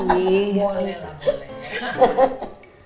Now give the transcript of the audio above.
boleh lah boleh